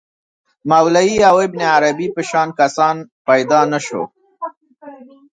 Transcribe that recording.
مولوی او ابن عربي په شان کسان پیدا نه شول.